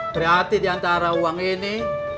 perlihatan sekarang sama